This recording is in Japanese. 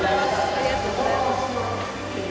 ありがとうございます。